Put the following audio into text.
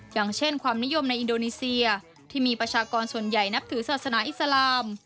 อย่างเช่นความนิยมในอินโดนีเซียที่มีประชากรส่วนใหญ่นับถือศาสนาอิสลาม